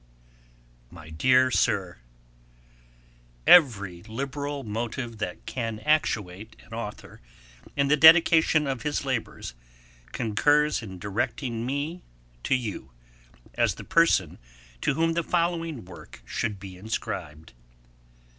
MY DEAR SIR, Every liberal motive that can actuate an Authour in the dedication of his labours, concurs in directing me to you, as the person to whom the following Work should be inscribed.